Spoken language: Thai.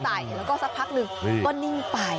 ใส่แล้วก็สักพักหนึ่งก็นิ่งไป